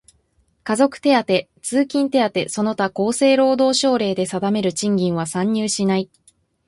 家族手当、通勤手当その他厚生労働省令で定める賃金は算入しない。